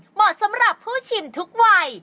เหมาะสำหรับผู้ชิมทุกวัย